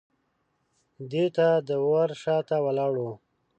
دی د ور شاته ولاړ و.